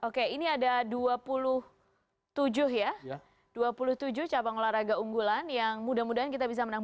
oke ini ada dua puluh tujuh capang olahraga unggulan yang mudah mudahan kita bisa menang